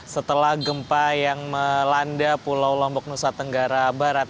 setelah gempa yang melanda pulau lombok nusa tenggara barat